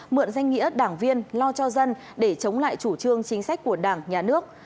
mượn danh nghĩa đảng viên lo cho dân để chống lại chủ trương chính sách của đảng nhà nước